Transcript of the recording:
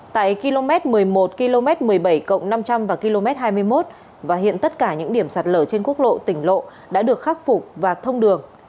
tại km một mươi một km một mươi bảy năm trăm linh và km hai mươi một và hiện tất cả những điểm sạt lở trên quốc lộ tỉnh lộ đã được khắc phục và thông đường